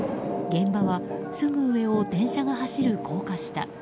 現場はすぐ上を電車が走る高架下。